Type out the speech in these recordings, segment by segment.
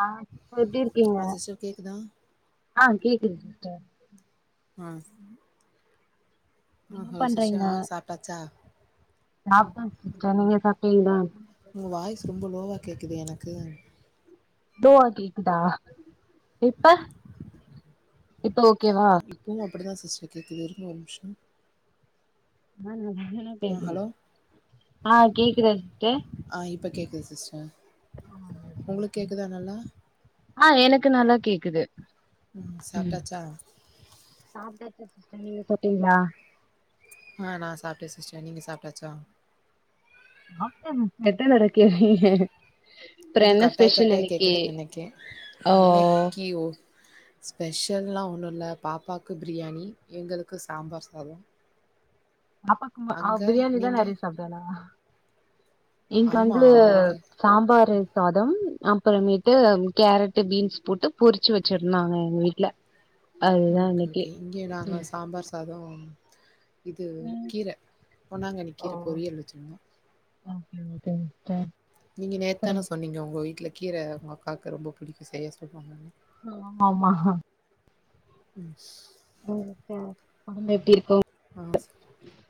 ஆ இப்ப எப்பிடி இருக்கீங்க ஆ சிஸ்டர் கேக்குதா ஆ கேக்குது சிஸ்டர் ஆ ம் என்ன ஓஹோ சிஸ்டர் ஆ சாப்ட்டாச்சா சாப்ட்டோ சிஸ்டர் நீங்க சாப்ட்டிங்களா உங்க வாய்ஸ் ரொம்ப லோவா கேக்குது எனக்கு தூவா கேக்குதா இப்ப இப்ப ஓக் இப்பவு அப்புடிதா சிஸ்டர் கேக்குது இருங்க ஒரு நிமிஷோ நானாதா என்ன ஆ கேக்குதா ஹலோ ஆ கேக்குதா சிஸ்டர் ஆ இப்ப கேக்குது சிஸ்டர் ஆ ஓகே உங்களுக்கு ஓகே கேக்குதா நல்லா ஆ எனக்கு நல்லா கேக்குது ம் சப்ட்டாச்சா இல்ல சிஸ்டர் நீங்க சாப்ட்டீங்களா ஆ நா சாப்பிட்டே சிஸ்டர் நீங்க சாப்ட்டாச்சா [unintelligible] அப்றோ கொஞ்ச என்ன கட்டாய் ஸ்பெஷல் கட்டாய் இன்னைக்கி கேக்குதுன்னு நெனைக்கே ஓ இன்னிக்கு ஓ ஸ்பெஷல்லா ஒன்னு இல்ல பாப்பாக்கு பிரியாணி எங்களுக்கு சாம்பார் சாதம் பாப்பாக்கு அவ பிரியாணிதா நெறைய சாப்பிடுவாளா எங்க ஆமா அங்குளு அவங்க சாம்பாரு சாதம் அப்புறமேட்டு கேரட் பீன்ஸ் போட்டு பொறிச்சி வச்சிருந்தாங்க எங்க வீட்ல அதுதா ஓகே இன்னைக்கு ஓகே இங்க நாங்க ம் சாம்பார் சாதம் இது ம் கீர பொன்னாங்கனி ஓ கீர பொரியல் வச்சிருந்தோ ஓகே ஓகேங் சிஸ்டர் நீங்க அப்புறம் நேத்தான சொன்னீங்க உங்க வீட்ல கீர உங்க அக்காவுக்கு ரொம்ப புடிக்கு செய்ய சொல்லுவாங்கன்னு ஆமா ஆமா ம் ஓ சிஸ்டர் ஒடம்பு எப்பிடி இருக்கு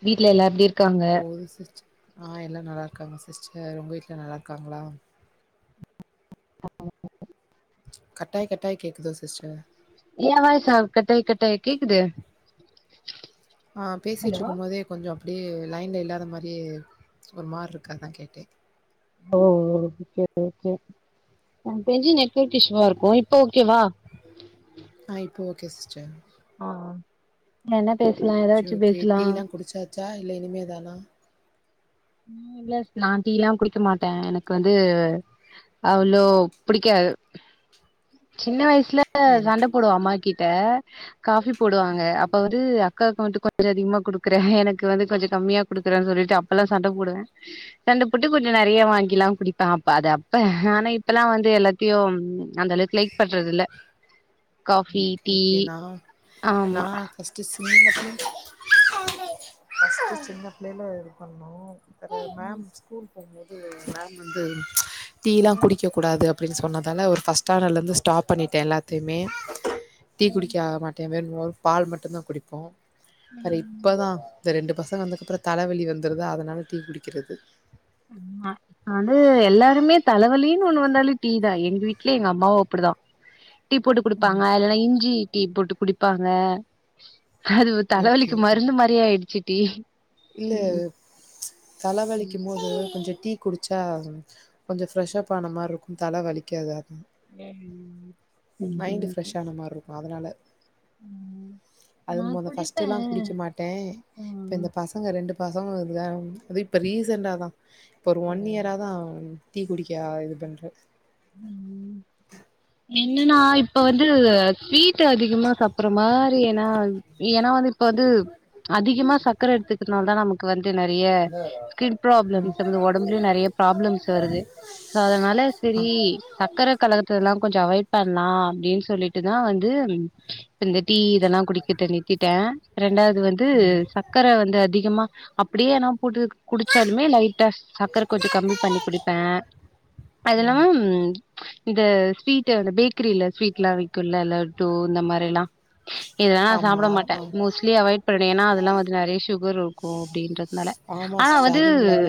வீ ட்ல எல்லா எப்பிடி இருக் போது சிஸ்ட ஆ எல்லா நல்லா இருக்காங்க சிஸ்டர் உங்க வீட்டுல நல்லா இருக்காங்களா [unintelligible] கட்டாய் கட்டாய் கேக்குதோ சிஸ்டர் ஏ வாய்ஸ்சா கட்டாய் கட்டாய் கேக்குது ஆ ஹலோ பேசிட்டுருக்கு போதே கொஞ்சோ ப்பிடியே லைன்ல இல்லாத மாரியே ஒரு மார் இருக்கு அதா கேட்டே ஓ ஓகே ஓகே எனக்கு தெரிஞ்சி நெ கேட் இஷுவா இருக்கு இப்ப ஓகே வா [inaudible] ஆ இப்ப ஓகே சிஸ்டர் ஆ என்னப் செ ஓகே டீ எல்லா குடிச்சாச்சா இல்ல இனிமே தானா இல்ல நா டீல்லா குடிக்கமாட்டே எனக்கு வந்து அவ்ளோ புடிக்காது சின்ன வயசு ட்ல சண்ட எனக்கு போடுவ அம்மா கிட் ட காஃபி போடுவாங்க அப்ப அவுரு க்க வந்துட்டு கொஞ்ச அதிகமா குடுக்குறே எனக்கு வந்து கொஞ்ச கம்மியா குடுக்குறேன் சொல்லிட்டு அப்பெல்லா சண்ட போடுவே சண்ட போட்டு கொஞ்ச நெறைய வாங்கில்லா குடிப்பே அப்ப அது அப்ப ஆனா இப்பெல்லா வந்து எல்லாத்தையு அந்த அளவுக்கு லைக் பண்றதில்ல ம் ஓகே ஓகே நா நா ஆமா. பஸ்டு சொ நீங்க பஸ்ட் சின்ன பிள்ளைல இது பண்ணு அது ம். மேம் ஸ்கூல் அது வந்து மேம் வந்து ஆ. டீல்லா குடிக்க கூடாது அப் அப்பிடின் சொன்னதால ஒரு ஃபஸ்டு ஸ்டண்டலேந்து ஸ்டாப் பண்ணிடே எல்லாத்தையுமே டீ குடிக்காமாட்டே வே ஒரு பால் மட்டும்தா குடிப்போ அது இப்பதா இந்த ரெண்டு பசங்க வந்ததுக்கப்புற தலவலி வந்துருதா அதனால டீ குடிக்கிறது ஆமா அது எல்லாருமே தலவலின்னு ஒண்ணு வந்தாலு டீ தா எங்க வீட்ல எங்க அம்மாவு அப்பிடிதா டீ போட்டு குடிப்பாங்க அது இல்லனா இஞ்சி டீ போட்டு குடிப்பாங்க அதுவு ஓகே தலவலிக்கு மருந்து மாறி ஆயிடுச்சு டீ இல்ல ம் தலவலிக்கும் போது கொஞ்ச டீ குடிச்சா கொஞ்ச ஃப்ரெஷ்ஷப் ஆன மாரி இருக்கு தல வலிக்காது அதா ஆ ம் மைண்டு ஃப்ரெஷ் ஆன மார இரு க்கு அதனால ம் அது நா மொத ஃபஸ்ட் குடிப்பே எல்லா குடிக்க மாட்டே இப்ப ம் இந்த பசங்க ரெண்டு பசங்க வந்துதா அது இப்ப ரீசெண்டாதா இப்ப ஒரு ஒன் இயராதா டீ குடிக்க இது பண்ற ம் என்னன்னா இப்ப வந்து ஸ்வீ ட்டு அதிகமா சாப்பட்ற மாரி ஏன்னா ஏன்னா வந்து இப்ப வந்து அதிகமா சக்கர எடுத்துக்கறனாலதா நமக்கு வந்து நெறைய ஸ்கின் ம் ப்ராப்ளம்ஸ் வந்து ஒடம்புலயு நெறைய ப்ராப்ளம்ஸ் வருது சோ அதனால ஆ. செரி சக்கர கலக்கறத்தெல்லா அவாய்ட் பண்லா அப்டின்னு சொல்லிட்டுதா வந்து ம் இப்ப இந்த டீ இதெல்லா குடிக்கிறத நிறுத்திட்டே ரெண்டாவது வந்து சக்கர வந்து அதிகமா அப்பிடியே ஆனா குடு குடிச்சாலுமே லைட்டா சக்கர கொஞ்ச கம்மி பண்ணி குடிப்பே அது இல்லாம இந்த ஸ்வீட் அதுல பே க்கரில ஸ்வீட்லா விக்குல்ல லட் டு இந்த மார எல்லா இதெல்லா நா ஆமா. சாப்பட மாட்டே ஆ மோஸ்லி அவாய்ட் பண்ணணு ஏன்னா அதுல வந்து நெறைய சுகர் இருக்கு அப்டின்றதுனா ஆமா சிஸ்டர் அதுவு இல்லாம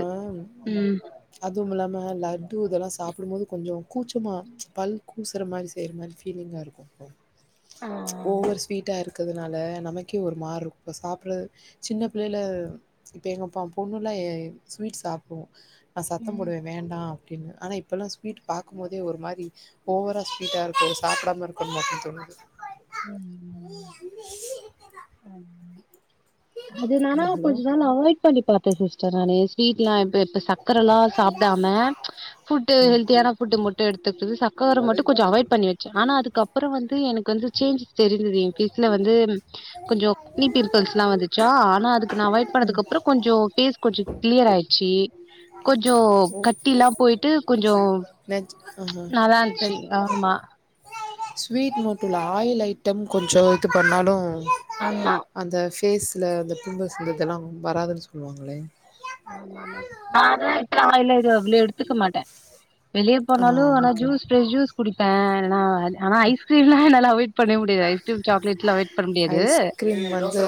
ம் அதுவு இல்லாம லட்டு இதெல்லா சாப்பிடும்போது கொஞ்ச கூச்சமா பல் கூசற மாரி செய்ற மாரி ஃபீலிங்லா இருக்குல ஓவர் ஸ்வீட்டா இருக் க்கிறதுனால நமக்கே ஒரு மார்ரு இருக்கு இப்ப சாப்படுற சின்ன பிள்ளைல எங்கப்பா பொண்ணுல்லா அ ஸ்வீட் சாப்பிடுவோ நா சத்தோ போடுவே வேண்டா அப்படின்னு ஆனா இப்பல்லா ஸ்வீட் பாக்கும் போதே ஒரு மாரி ஓவரா ஸ்வீட்டா இருக்கு சாப்பிடாம இருக்கும்ன்னு மட்டு தோணுது உ உ அது நால ம் ஹலோ கொஜ்னாலா அவாயிட் குக் பண்ணி பாத்தே சிஸ்டர் நானு ஸ்வீட்லா எப் இப்ப சக்கரலா சாப்பிடாம ஃபுட் ம் ஹெல்தியான ஃபுட் மட்டு எடுத்துக்கிட்டது சர்கர மட்டு கொஞ்ச அவாய்ட் பண்ணி வச்சே ஆனா அதுக்கு கப்புறோ வந்து எனக்கு வந்து சேன்ஜ் தெரிஞ்சுது எ ஃபேஸ்ல வந்து கொஞ்சோ ஆக்னி பிம்பிள்ஸ்லா வந்துச்சா ஆனா அதுக்கு நா அவாய்ட் பண்ணதுக்கு அப்புறோ கொஞ்சோ ஃபேஸ் கொஞ்சோ கிளியர் ஆய்ச்சு ஓ வெட் ஆஹா நல்லா இருந்துச்சு ஆமா ஸ்வீட் மோட்டுல ஆயில் ஐ ட்டம் கொஞ்ச இது பண்ணாலு ஆமா அந்த ஃபேஸ்ல அந்த பிம்பிள்ஸ் வரதெல்லா வராதுன்னு சொல்லுவாங்களே ஆமா நானா அதுலஅவள எடுத்துக்க மாட்டே வெளிய ஆ போனாலு நா ஓகே ஜூஸ் ஃபிரஷ்ஜூஸ் குடிப்பே நா ஆ ஐஸ்கிரீம்லா என்னால அவாய்ட் பண்ணவே முடியாது ஐஸ்கிரீம் சாக்லேட்லா அவாய்ட் பண்ண முடியாது ஐஸ்கிரீம் வந்து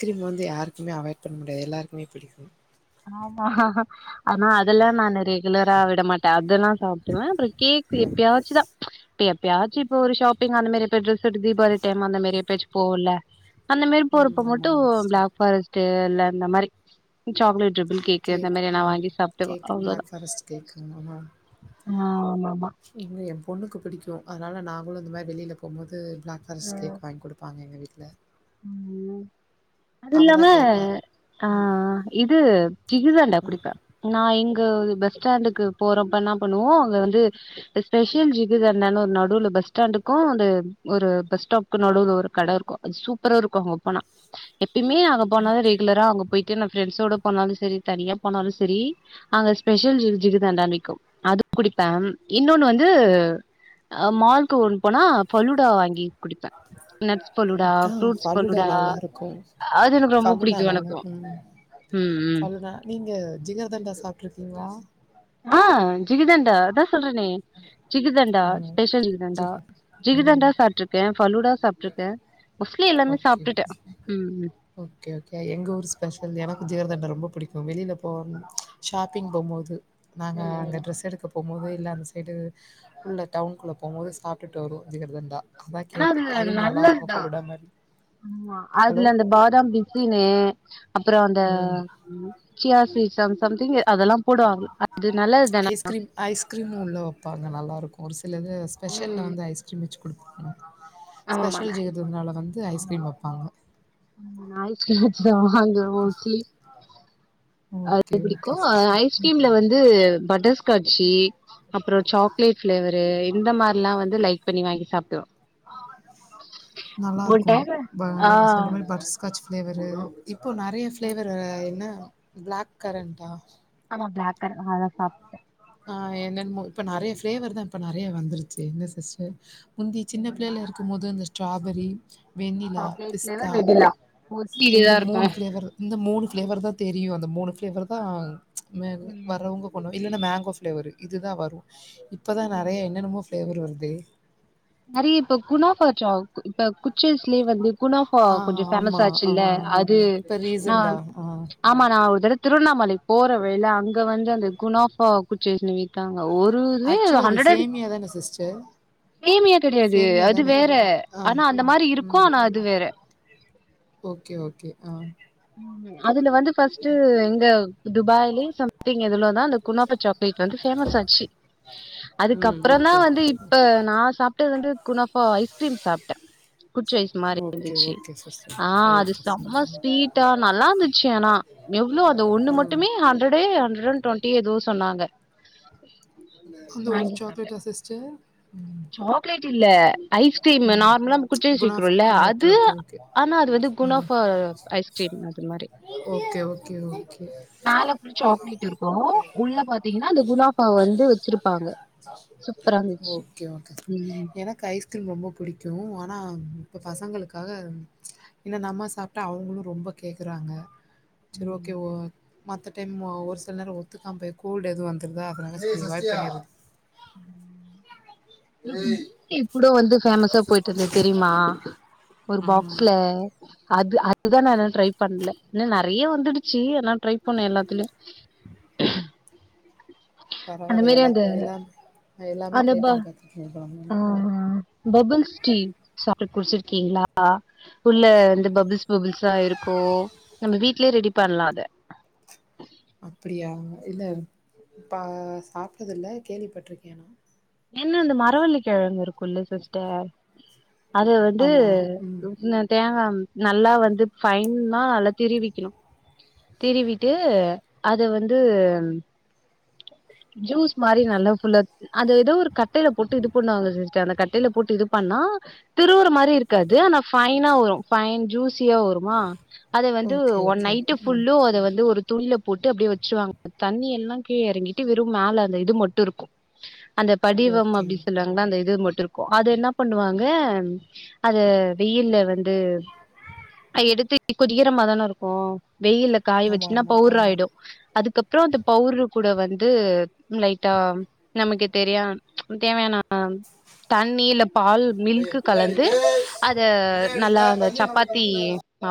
கிரீம் வந்து யாருக்குமே அவாய்ட் பண்ண முடியாது எல்லாருக்குமே பிடிக்கு ஆமா ஆனா அதெல்லா நா நெரைய ரெகுலரா விட மாட்டே அதெல்லா சாப்பிடுவே பட் கேக் எப்பயாச்சுதா இப்பப்பயாச்சு இப்போ ஒரு ஷாப்பிங்அந்த மாரிய போய் ட்ரெஸ் எடுத்து தீபாலி டைம் அந்த மாரி எப்பையாசு போவோம்ல அந்த மாரி ம் போறப்ப மட்டு ஆமாம் சிஸ்டர் பிளாக் ஃபாரஸ்ட்டு ல்ல இந்த மாரி சாக் லேட் கேக்கு ஆ கேக் ப அவ்ளோதா பிளாக் ஃபாரெஸ்ட் கேக் ஆமா இல்ல எ பொண்ணுக்கு பிடிக்கு அதனால நாங் பொதுவா இந்தமாரி வெளில போம்போது நா பாரஸ் கேக் வாங்கி குடுப்பங்க எங்க வீ ந ஆ உன்ன அது இல்லாம கேப்பா ஆ இது கிகிதாண்ட குடிப்பே நா இங் கோ அது பஸ் ஸ்டாண்டுக்கு போற அப்ப என்னா பண்ணுவோ அங்க வந்து ஸ்பெஷல் ஜிகர்தாண்டனு பஸ் ஸ்டாண்டுக்கும் இது ஒரு பஸ்டாப்க்கு நடுவுல ஒரு கட இருக்கு சூப் ப்பறா இருக்கு ஓப்பனா ப்பியுமே அங்க போனாதா ஓகே ரெகுலரா அங்க போயிட்டு எ ஃபிரண்ட்ஸோட போனாலு சரி தனியா போனாலு சரி அங்க ஸ்பெஷல் ஜிகு ஜிகர்த்தாண்டா விக்கு அது குடிப்பே இன்னொன்னு வந்து மாலுக்கு ஒன் போனா பலுடா வாங்கி குடிப்பே நட்ஸ் பலுடா ஆ ஃபல்லுடா நல்லா இருக்கு ரொம்ப ஃபல்லுடா புடிக்கு நல்லா எனக்கு ம் ம் ஃபல்லுடா நீங்க ஜிகர் தண்டா சாப்பிட்ருக்கீங்களா ஆ ஆ ஜகிர்தண்டா அதா சொல்றனே ஜிகர் தண்டா ம் ஸ்பெஷல் ஜிகர் தண்டா ஜிக ம் ஜிகிர்தண்டா சாப்பிட்டு இருக்கே ஃபலுடா சாப்பிட்டுருக்கே மோஸ்ட்லி எல்லாமே ஓகே சாப்பிட்டுட்டே ம் ஜிகர் தண்டா ரொம்ப புடிக்கு வெளியில போ ஷாப்பிங் போம்போது நாங்க அங்க டிரரெஸ் எடுக்க போமோது இல்ல அந்தஸ் சடு உள்ள டவுனுக்குள்ள போம்போது சாப்பிட்டுட்டு வருவோ ஜிகர்தாண்டா ஏன்னா அது நல்லதுதா மாரி ஆ ஹலோ அதுல அந்த பாதாம் பிசினு அப்புறோ அந்த ம் சியா சீட்ஸ் சம்திங் அதெல்லாம் ஐஸ்கிரீம் ஐஸ்கிரீமு உள்ள வப்பாங்க நல்லா இருக்கு ஒரு சி இல்லது ஸ்பெஷல்ல வந்து ஐஸ்கிரீம் வச்சி குடுப்பாங்க ஸ்பெஷல் ஜீகர்தாண்டால வந் து ஐஸ்கிரீம் வப்பாங்க நாய்ஸ் வச்சத அங்க ஒரு ஸ்லீப் ஓகே அது பிடிக்கு ஓகே சிஸ்டர். ஐஸ்கிரீம்ல வந்து பட்டர்ஸ்காட்சி அப்பறோ சாக்லேட் பிளேவர்ரு இந்த மாரில்லா வந்து லைக் பண்ணி சாப்புடுவே ஒரு நல்லாருக்கும். டைம ஆ பிலேவரு இப்ப நெறைய ஃப்ளேவர் என்ன பிளாக் கரண்டா ஆமா பிளாக் கரண்ட் அதா சாப்ட்டே ஆ என்னன்மோ இப்ப நெறைய ஃபிளேவர்தா இப்ப நெறைய வந்துருச்சே என்ன சிஸ்டர் முந்தி சின்ன பிள்ளையில இருக்கும்போது அந்த ஸ்ட்ராபெரி வெண்ணிலா பிஸ்தா மோஸ்ட்லி இந்த இதுதா இருக்கு மூணு ஃபிளேவரு இந்த மூணு ஃப்ளேவர்தா தெரியு அந்த மூணு ஃப்ளேவர்தா மேங்கோ வறவங்க கொண்டு இல்லன்னா மேங்கோ ஃப்ளேவரு இதுதா வரு இப்பதா நெறைய என்னன்னமோ ஃப்ளேவர் வருது நெறைய இப்ப குணாஃபா சாக் கு இப்ப குச்சி ஐஸ்லயே வந்து குனாஃபா ஆ கொஞ்ச ஃபேமஸ் ஆமா ஆ ஆச்சுல்ல அது இப்ப நா ரீசன்டா ஆ ஆமா நா ஒரு தடவ திருவண்ணாமலைக்கு போற வழில அங் க வந்து அந்த குனாஃபா குச்சி ஐஸ்னு வித்தா ஆக்சுவலி அது சேமியாதான சிஸ்டர் சேமியா கெடையாது சேமியா அது தானே வேற ஆ ஆனா அந்த மாரி இருக்கு ம் ஆனா அது வேற ஓகே ஓகே ஆ ம் அ துல வந்து ஃபஸ்ட்டு இங்க துபாய்லயே சம்திங் எதிலோதா அந்த குனாஃபா சாக்லேட் வந்து ஃபேமஸ் ஆச்சு ம் அதுக்கப்புறந்தா ஓகே வந்து ஓகே இப்ப நா சா ப்டது வந்து குனாஃபா ஐஸ்கிரீம் சாப்ட்டே குச்சி ஐஸ் மாரி ஓகே இருந்துச்சி ஓகே சிஸ்டர் ஆ அது ஓகே சிஸ் செம ஸ்வீட் ஆ நல்லா இருந்துச்சு ஆனா எவ்ளோ அந்த ஒண்ணு ம் மட்டுமே ஹண்ட்ரடே ஹண்ட்ரட் அன் டொன்டி எதோ சொன்னாங்க அந்த ஒரு வாங்கி சாப்டே சாக்லேட்டா சிஸ்டர் ம் சாக்லேட் இல்ல ஐஸ்கிரீமு ம் நார்மலா குச்சி ஐஸ் குணாஃப் விக்கிறோல்ல அ ஓகே அது ஓகே ஓகே ஆனா அது வந்து ஆ குனாஃபா ஐஸ்கிரீம் அது மாரி ஓகே ஓகே ஓகே மேல அப்டி சாக்லேட் இருக்கு உள்ள பாத்திங்கனா அந்த குனாஃபா வந்து வச்சிருப்பாங்க சூப்பரா இருந்துச்சு கே ஓகே கே ம் எனக்கு ஐஸ்கிரீம் ரொம்ப புடிக்கு ஆ ஆனா இப்ப பசங்களுக்காக என்ன நம்ம சாப்பிட்டா அவங்களு ரொம்ப கேக்குறாங்க சரி ஓகே ஓ மத்த டைம் ஒரு சில நேரோ ஒத்துக்காம போய் கூல்டு எது வந்துருதா அதனால [unintelligible] உம் கூட வந்து ஃபேமஸா போயட்டு இருந்த தெரியுமா ஒரு ம் பாக்ஸ்ல அது அதுதா நா எ ட்ரை பண்ணல ஏன்ன நிறைய வந்துடுச்சு ஆனா ட்ரை பண்ணோ எல்லாத்தலயு பரவாயில்ல எல்லாத்லயு எல்லா எல்லாமே ட்ரை அனுபா பண்ணி பாத்துருக்கீங்க போல ஆ ம் பபுல்ஸ்டீ ஸாடட் குடிச்சிருக்கீங்களா உள்ள வந்து பபுள்ஸ் பபுல்ஸ்ஸா இருக்கு நம்ம வீட்லயே ரெடி பண்லா அத அப்படியா இல்ல பா சாப்டதுல்ல கேள்விப்பட்டிருக்கே நா என்ன இந்த மரவள்ளிக்கிழங்கு இருக்கும்ல்ல சிஸ்டர் அது வந்து ஆமா ம் [unintelligible] தேங்கா நல்லா வந்து ஃபைனா நல்லா திருவிக்கணு திருவிட்டு அத வந்து ஜூஸ் மாரி நல்லா ஃபுல்லா அது ஏதோ மாரி ஒரு கட்டையில போட்டு இது பண்ணுவாங்க சிஸ்டர் அந்த கட்டையில போட்டு இது பண்ணா திருவுற மாரி இருக்காது ஆனா ஃபைனா வரு ஃபைன் ஜூஸியா வருமா அத வந்து okay, one okay, night okay. ம். ஃபுல்லு அத வந்து ஒரு துணில போட்டு அப்படியே வச்சிருவாங்க தண்ணி எல்லா கீழ எறங்கிட்டு வெறு மேல அந்த இது மட்டு இருக்கு அந்த படிவம் ஓகே, அப்படி ஓகே. சொல்லுவாங்கல்ல அந்த இது மட்டு இருக் அத என்ன பண்ணுவாங்க அத வெயில்ல வந்து எடுத்து கொதிக்கிறமாதானே இருக்கு வெயில்ல காய ஆமா, வச்சீங்னா ஆமா. பௌட்ர் ஆ. ஆயிடு அதுக்கப்புறோ அந்த பௌடர் கூட வந்து லைட்டா நமக்கு தெரியா தேவையானா ஆ தண்ணி இல்ல பால் மில்க்கு கலந்து அத நல்லா அந்த சப்பாத்தி மாவ்